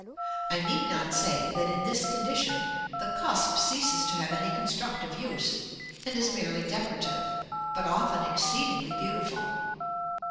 I need not say that, in this condition, the cusp ceases to have any constructive use, and is merely decorative, but often exceedingly beautiful.